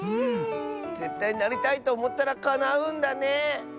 ぜったいなりたいとおもったらかなうんだね！